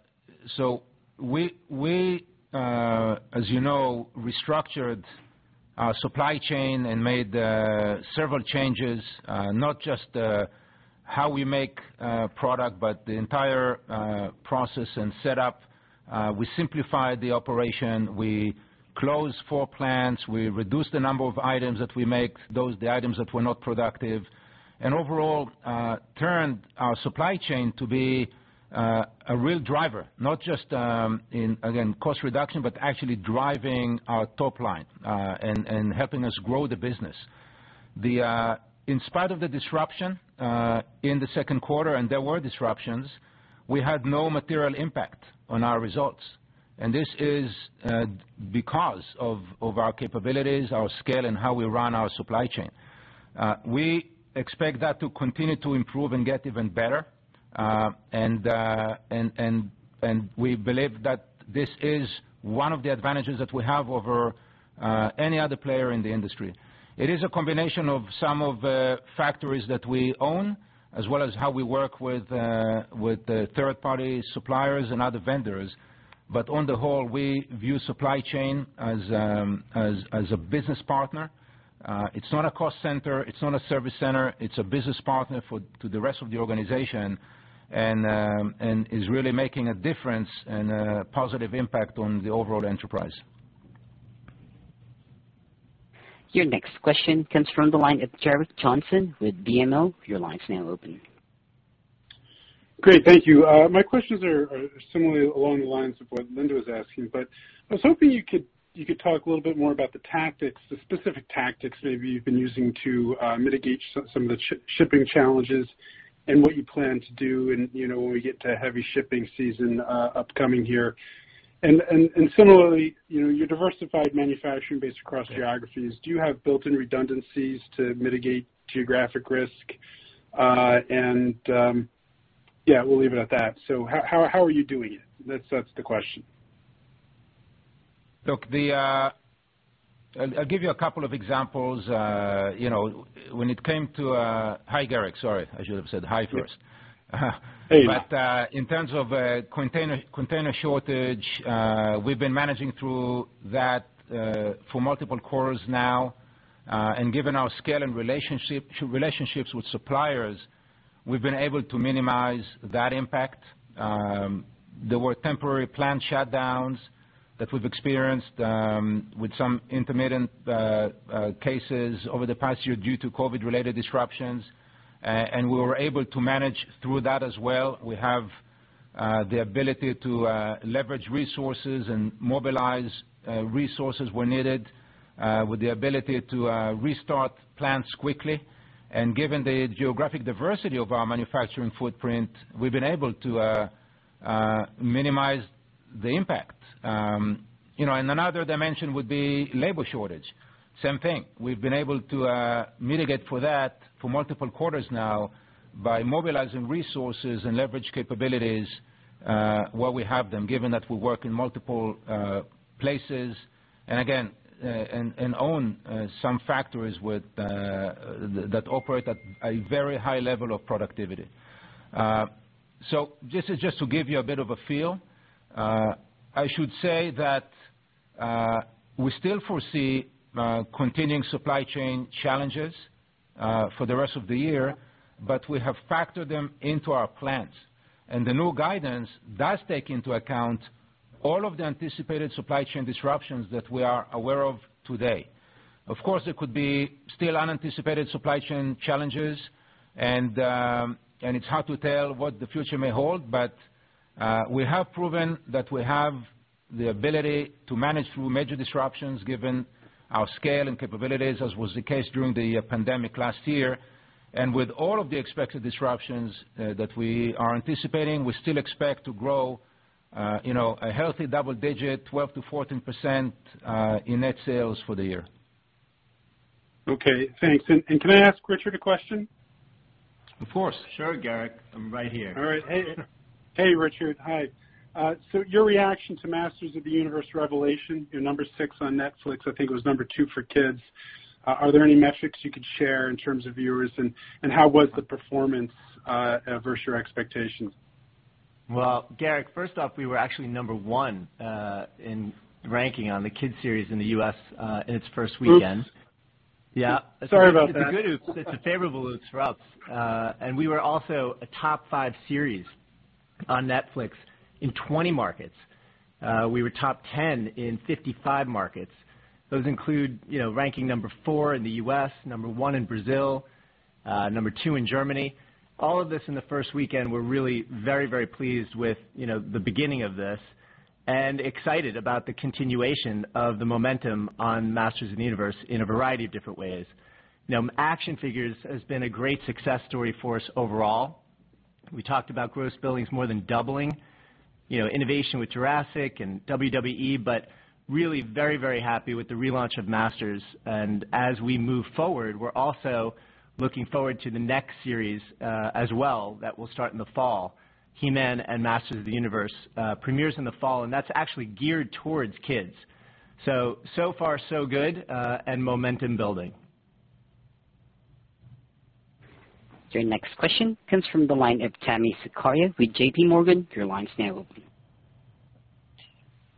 We, as you know, restructured our supply chain and made several changes, not just how we make product, but the entire process and set up. We simplified the operation. We closed four plants. We reduced the number of items that we make, those the items that were not productive, and overall, turned our supply chain to be a real driver, not just in, again, cost reduction, but actually driving our top line, and helping us grow the business. In spite of the disruption, in the second quarter, and there were disruptions, we had no material impact on our results. This is because of our capabilities, our scale, and how we run our supply chain. We expect that to continue to improve and get even better. We believe that this is one of the advantages that we have over any other player in the industry. It is a combination of some of the factories that we own, as well as how we work with third-party suppliers and other vendors. On the whole, we view supply chain as a business partner. It's not a cost center. It's not a service center. It's a business partner to the rest of the organization and is really making a difference and a positive impact on the overall enterprise. Your next question comes from the line of Gerrick Johnson with BMO. Your line's now open. Great. Thank you. My questions are similarly along the lines of what Linda was asking, but I was hoping you could talk a little bit more about the tactics, the specific tactics maybe you've been using to mitigate some of the shipping challenges and what you plan to do, and when we get to heavy shipping season upcoming here. Similarly, your diversified manufacturing base across geographies, do you have built-in redundancies to mitigate geographic risk? Yeah, we'll leave it at that. How are you doing it? That's the question. Look, I'll give you a couple of examples. Hi, Gerrick. Sorry, I should have said hi first. Hey. In terms of container shortage, we've been managing through that for multiple quarters now, and given our scale and relationships with suppliers, we've been able to minimize that impact. There were temporary plant shutdowns that we've experienced, with some intermittent cases over the past year due to COVID-related disruptions. We were able to manage through that as well. We have the ability to leverage resources and mobilize resources where needed, with the ability to restart plants quickly. Given the geographic diversity of our manufacturing footprint, we've been able to minimize the impact. Another dimension would be labor shortage. Same thing. We've been able to mitigate for that for multiple quarters now by mobilizing resources and leverage capabilities where we have them, given that we work in multiple places, and again, and own some factories that operate at a very high level of productivity. This is just to give you a bit of a feel. I should say that we still foresee continuing supply chain challenges for the rest of the year, but we have factored them into our plans, and the new guidance does take into account all of the anticipated supply chain disruptions that we are aware of today. Of course, there could be still unanticipated supply chain challenges, and it's hard to tell what the future may hold, but we have proven that we have the ability to manage through major disruptions given our scale and capabilities, as was the case during the pandemic last year. With all of the expected disruptions that we are anticipating, we still expect to grow a healthy double digit, 12%-14%, in net sales for the year. Okay, thanks. Can I ask Richard a question? Of course. Sure, Gerrick, I'm right here. All right. Hey, Richard. Hi. Your reaction to Masters of the Universe: Revelation, number six on Netflix, I think it was number two for kids. Are there any metrics you could share in terms of viewers, and how was the performance versus your expectations? Well, Gerrick, first off, we were actually number one in ranking on the kids' series in the U.S. in its first weekend. Oops. Yeah. Sorry about that. It's a good oops. It's a favorable oops for us. We were also a top five series on Netflix in 20 markets. We were top 10 in 55 markets. Those include ranking number four in the U.S., number one in Brazil, number two in Germany. All of this in the first weekend, we're really very pleased with the beginning of this and excited about the continuation of the momentum on Masters of the Universe in a variety of different ways. Action Figures has been a great success story for us overall. We talked about gross billings more than doubling, innovation with Jurassic and WWE, really very happy with the relaunch of Masters. As we move forward, we're also looking forward to the next series as well, that will start in the fall. He-Man and the Masters of the Universe premieres in the fall, and that's actually geared towards kids. So far so good, and momentum building. Your next question comes from the line of Tami Zakaria with JPMorgan, your line is now open.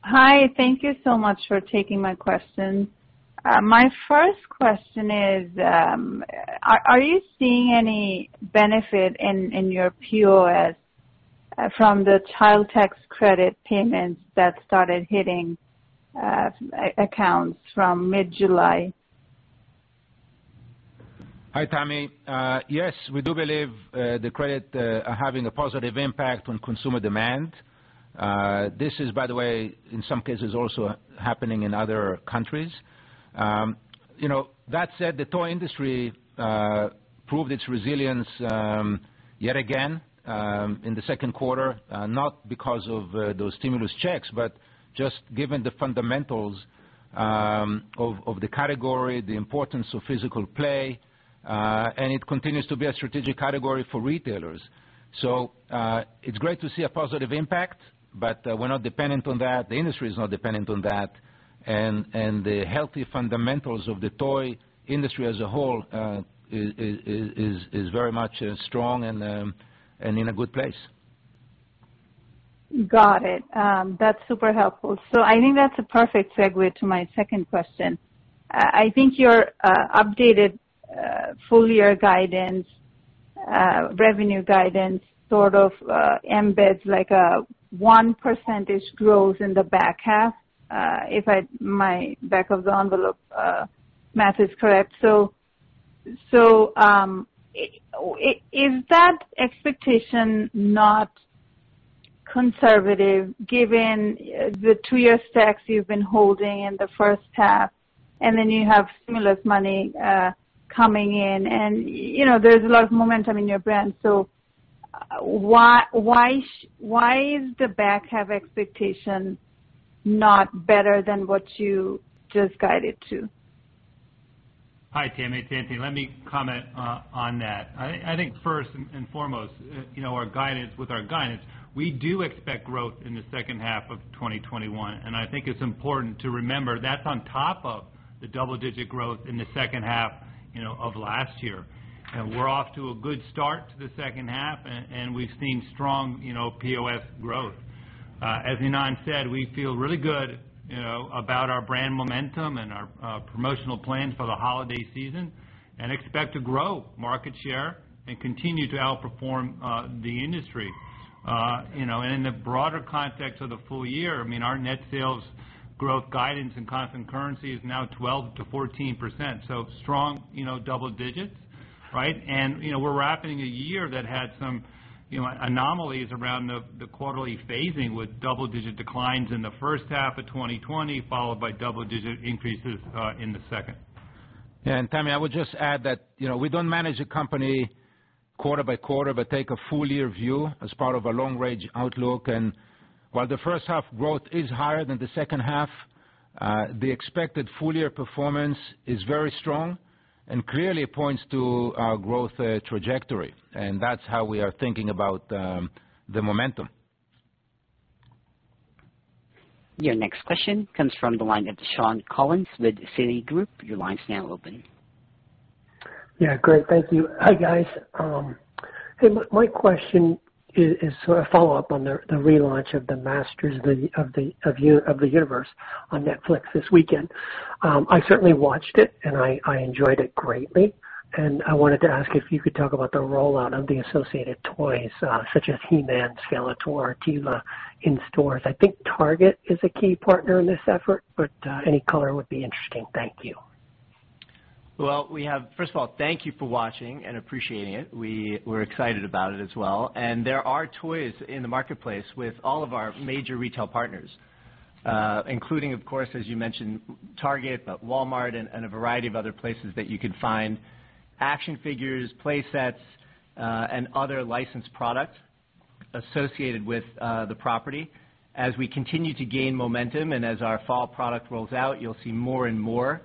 Hi, thank you so much for taking my question. My first question is, are you seeing any benefit in your POS from the child tax credit payments that started hitting accounts from mid-July? Hi, Tami. Yes, we do believe the credit are having a positive impact on consumer demand. This is by the way, in some cases, also happening in other countries. The toy industry proved its resilience yet again in the second quarter, not because of those stimulus checks, but just given the fundamentals of the category, the importance of physical play, and it continues to be a strategic category for retailers. It's great to see a positive impact, but we're not dependent on that, the industry is not dependent on that, and the healthy fundamentals of the toy industry as a whole is very much strong and in a good place. Got it. That's super helpful. I think that's a perfect segue to my second question. I think your updated full-year revenue guidance sort of embeds like a 1 percentage growth in the back half, if my back of the envelope math is correct. Is that expectation not conservative given the two-year stacks you've been holding in the first half, and then you have stimulus money coming in, and there's a lot of momentum in your brand. Why is the back half expectation not better than what you just guided to? Hi, Tami. It's Anthony. Let me comment on that. I think first and foremost with our guidance, we do expect growth in the second half of 2021. I think it's important to remember that's on top of the double-digit growth in the second half of last year. We're off to a good start to the second half. We've seen strong POS growth. As Ynon said, we feel really good about our brand momentum and our promotional plans for the holiday season. We expect to grow market share and continue to outperform the industry. In the broader context of the full year, our net sales growth guidance and constant currency is now 12%-14%. Strong double digits. We're wrapping a year that had some anomalies around the quarterly phasing with double-digit declines in the first half of 2020, followed by double-digit increases in the second. Yeah. Tami, I would just add that we don't manage a company quarter-by-quarter, but take a full year view as part of a long range outlook. While the first half growth is higher than the second half, the expected full year performance is very strong and clearly points to our growth trajectory. That's how we are thinking about the momentum. Your next question comes from the line of Shawn Collins with Citigroup. Your line is now open. Great. Thank you. Hi, guys. My question is sort of follow up on the relaunch of the Masters of the Universe on Netflix this weekend. I certainly watched it, and I enjoyed it greatly. I wanted to ask if you could talk about the rollout of the associated toys, such as He-Man, Skeletor, Teela in stores. I think Target is a key partner in this effort, but any color would be interesting. Thank you. Well, first of all, thank you for watching and appreciating it. We're excited about it as well. There are toys in the marketplace with all of our major retail partners, including, of course, as you mentioned, Target, Walmart, and a variety of other places that you can find action figures, playsets, and other licensed product. Associated with the property. As we continue to gain momentum and as our fall product rolls out, you'll see more and more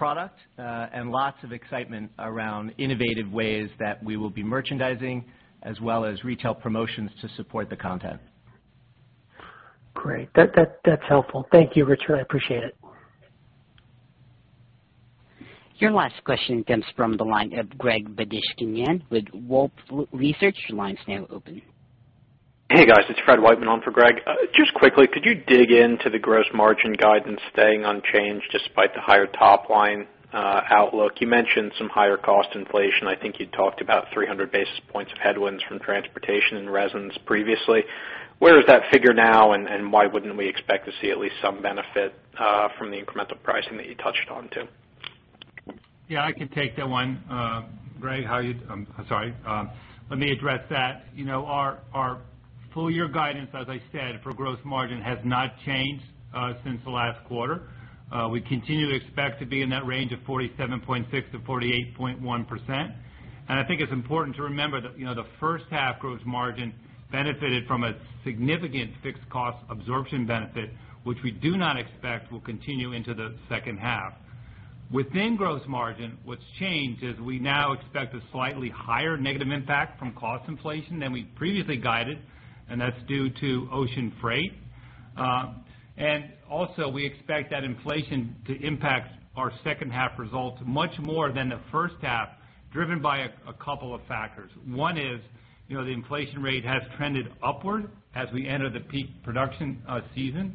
product, and lots of excitement around innovative ways that we will be merchandising, as well as retail promotions to support the content. Great. That's helpful. Thank you, Richard. I appreciate it. Your last question comes from the line of Greg Badishkanian with Wolfe Research. Your line's now open. Hey, guys, it's Fred Wightman on for Greg. Just quickly, could you dig into the gross margin guidance staying unchanged despite the higher top-line outlook? You mentioned some higher cost inflation. I think you'd talked about 300 basis points of headwinds from transportation and resins previously. Where is that figure now, and why wouldn't we expect to see at least some benefit from the incremental pricing that you touched on, too? Yeah, I can take that one. Greg, how are you? I'm sorry. Let me address that. Our full-year guidance, as I said, for gross margin, has not changed since the last quarter. We continue to expect to be in that range of 47.6%-48.1%. I think it's important to remember that the first half gross margin benefited from a significant fixed cost absorption benefit, which we do not expect will continue into the second half. Within gross margin, what's changed is we now expect a slightly higher negative impact from cost inflation than we previously guided, and that's due to ocean freight. Also, we expect that inflation to impact our second half results much more than the first half, driven by a couple of factors. One is, the inflation rate has trended upward as we enter the peak production season.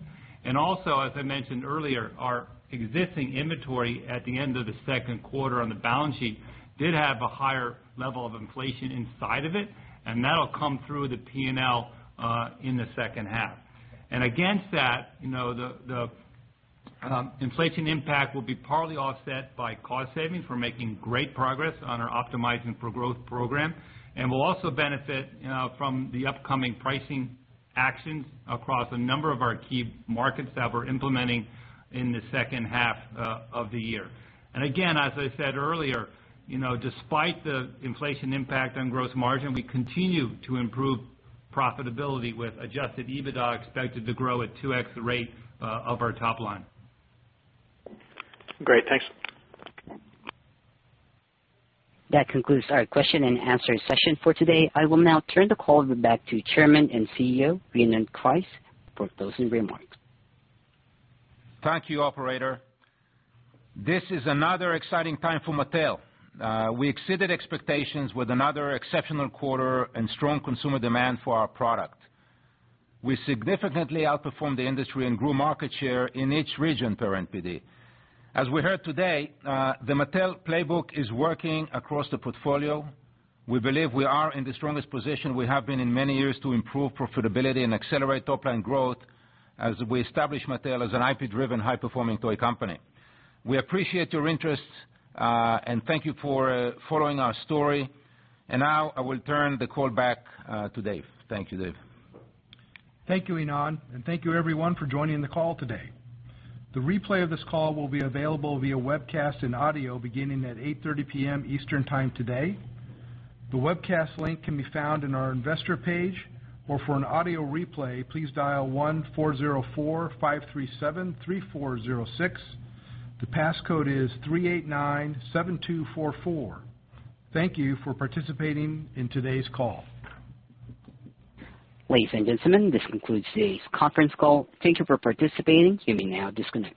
Also, as I mentioned earlier, our existing inventory at the end of the second quarter on the balance sheet did have a higher level of inflation inside of it, and that'll come through the P&L in the second half. Against that, the inflation impact will be partly offset by cost savings. We're making great progress on our Optimizing for Growth program. We'll also benefit from the upcoming pricing actions across a number of our key markets that we're implementing in the second half of the year. Again, as I said earlier, despite the inflation impact on gross margin, we continue to improve profitability with adjusted EBITDA expected to grow at 2X the rate of our top line. Great. Thanks. That concludes our question-and-answer session for today. I will now turn the call back to Chairman and CEO, Ynon Kreiz, for closing remarks. Thank you, operator. This is another exciting time for Mattel. We exceeded expectations with another exceptional quarter and strong consumer demand for our product. We significantly outperformed the industry and grew market share in each region per NPD. As we heard today, the Mattel playbook is working across the portfolio. We believe we are in the strongest position we have been in many years to improve profitability and accelerate top-line growth as we establish Mattel as an IP-driven, high-performing toy company. We appreciate your interest, and thank you for following our story. Now, I will turn the call back to Dave. Thank you, Dave. Thank you, Ynon, and thank you everyone for joining the call today. The replay of this call will be available via webcast and audio beginning at 8:30 P.M. Eastern Time today. The webcast link can be found in our Investor page, or for an audio replay, please dial 1-404-537-3406. The passcode is 3897244. Thank you for participating in today's call. Ladies and gentlemen, this concludes today's conference call. Thank you for participating. You may now disconnect.